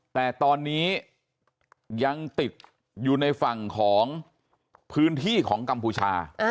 แต่ตอนนี้ยังติดอยู่ในฝั่งของพื้นที่ของกัมพูชา